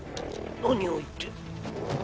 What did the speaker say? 何を言って。